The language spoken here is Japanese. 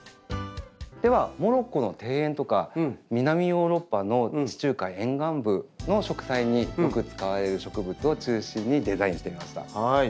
ではモロッコの庭園とか南ヨーロッパの地中海沿岸部の植栽によく使われる植物を中心にデザインしてみました。